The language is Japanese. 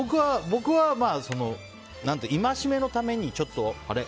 僕は戒めのためにちょっとあれ？